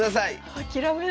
諦めない。